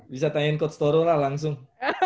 bisa tanyain coach toro lah langsung